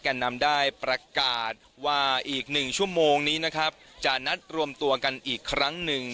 นำได้ประกาศว่าอีกหนึ่งชั่วโมงนี้นะครับจะนัดรวมตัวกันอีกครั้งหนึ่ง